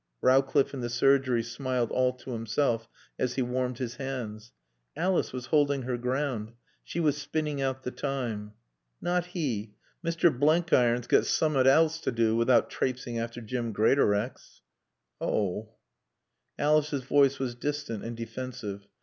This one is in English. Rowcliffe in the surgery smiled all to himself as he warmed his hands. Alice was holding her ground. She was spinning out the time. "Not he. Mr. Blenkiron's got soomat alse to do without trapseing after Jim Greatorex." "Oh." Alice's voice was distant and defensive.